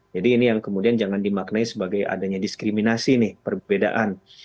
jadi ini yang kemudian jangan dimaknai sebagai adanya diskriminasi nih perbedaan